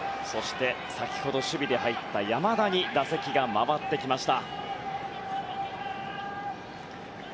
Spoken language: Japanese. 先ほど守備で入った山田に打席が回ってきました。